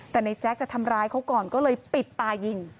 แต่ในแจ๊คจะทำร้ายเขาก่อนก็เลยปิดตายิง